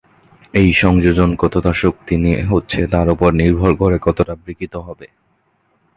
এই সংযোজন কতটা শক্তি নিয়ে হচ্ছে তার ওপর নির্ভর করে কতটা বিকৃতি হবে।